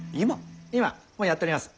もうやっております。